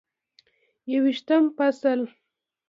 یوویشتم فصل: